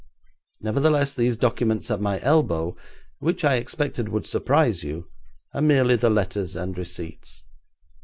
Nevertheless, these documents at my elbow, which I expected would surprise you, are merely the letters and receipts.